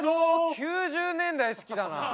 ９０年代好きだな。